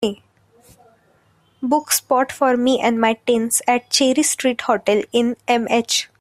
book spot for me and my teens at Cherry Street Hotel in MH